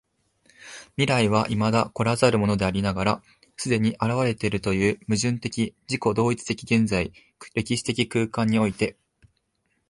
未来は未だ来らざるものでありながら既に現れているという矛盾的自己同一的現在（歴史的空間）において、